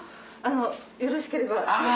よろしければ。